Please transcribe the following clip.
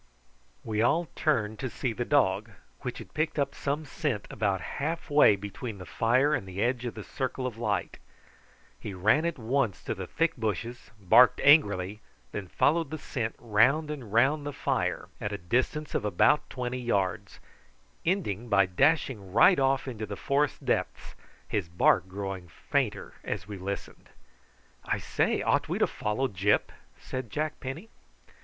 We all turned to see the dog, which had picked up some scent about half way between the fire and the edge of the circle of light. He ran at once to the thick bushes, barked angrily, and then followed the scent round and round the fire at the distance of about twenty yards, ending by dashing right off into the forest depths, his bark growing fainter as we listened. "I say, ought we to follow Gyp?" said Jack Penny.